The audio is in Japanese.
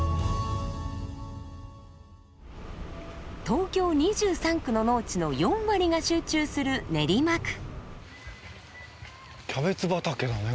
東京２３区の農地の４割が集中する練馬区。